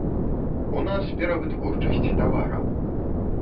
У нас перавытворчасць тавараў.